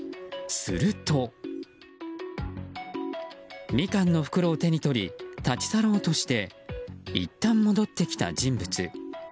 するとミカンの袋を手に取り立ち去ろうとしていったん戻ってきた人物。